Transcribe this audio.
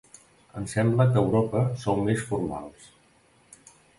Em sembla que a Europa sou més formals.